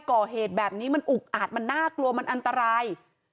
ก่อเหตุแบบนี้มันอุกอาจมันน่ากลัวมันอันตราย